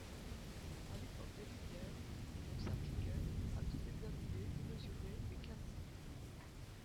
À l’époque des Lumières, l’on s’appliquait à tout examiner, mesurer et classer.